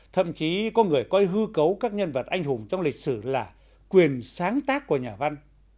thậm chí có người coi hư cấu các nhân vật anh hùng trong lịch sử là quyền sáng tác của nhà văn